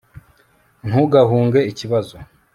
ntugahunge ikibazo